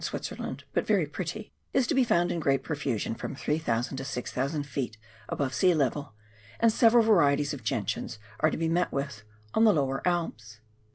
Switzerland, but very pretty, is to be found in great profusion from 3,000 to 6,000 ft. above sea level, and several varieties of gentians are to be met witb on the lower Alps.